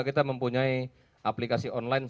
kita mempunyai aplikasi online